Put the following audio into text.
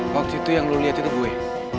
waktu itu yang lo liat itu gue